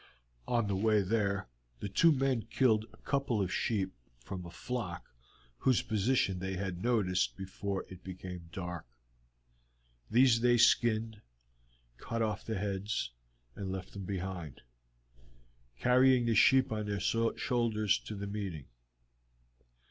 On the way there the two men killed a couple of sheep from a flock whose position they had noticed before it became dark. These they skinned, cut off the heads, and left them behind, carrying the sheep on their shoulders to the meeting.